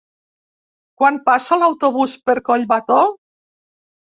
Quan passa l'autobús per Collbató?